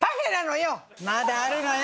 まだあるのよ。